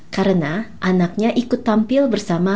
karena anaknya ikut tampil bersama